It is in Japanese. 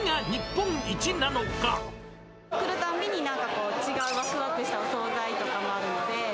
来るたんびになんかこう、違う、わくわくしたお総菜とかもあるんで。